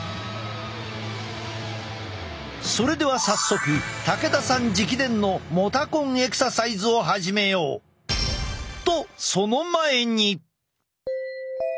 それでは早速武田さん直伝のモタコンエクササイズを始めよう！とその前に。